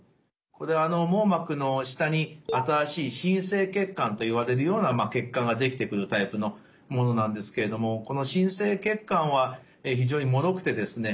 これ網膜の下に新しい新生血管といわれるような血管ができてくるタイプのものなんですけれどもこの新生血管は非常にもろくてですね